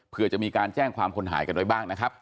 เพื่อจะมีการแจ้งความคนหายกันไว้บ้างนะครับ